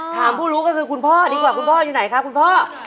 ผู้รู้ก็คือคุณพ่อดีกว่าคุณพ่ออยู่ไหนครับคุณพ่อ